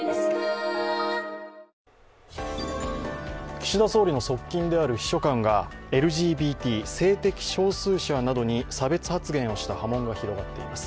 岸田総理の側近である秘書官がＬＧＢＴ＝性的少数者などに差別発言をした波紋が広がっています。